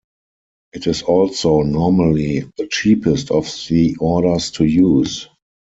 It is also normally the cheapest of the orders to use.